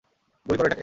গুলি করো এটাকে!